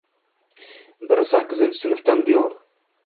— biri sakkizinchi sinfdan buyon.